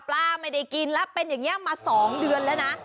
ไม่ได้กินแล้วเป็นอย่างนี้มา๒เดือนแล้วนะ